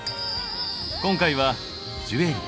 今回は「ジュエリー」。